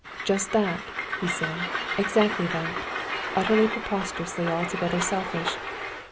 "Just that," he said. "Exactly that. Utterly, preposterously, altogether, selfish.